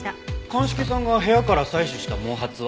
鑑識さんが部屋から採取した毛髪は？